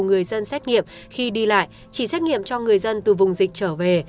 người dân xét nghiệm khi đi lại chỉ xét nghiệm cho người dân từ vùng dịch trở về